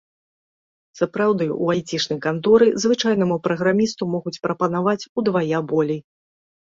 Сапраўды, у айцішнай канторы звычайнаму праграмісту могуць прапанаваць удвая болей.